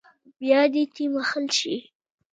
بيا دې تيمم ووهل شي.